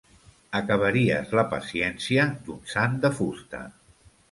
Acabaries la paciència d'un sant de fusta!